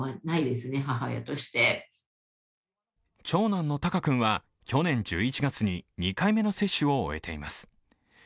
長男の鷹君は、去年１１月に２回目の接種を終えています。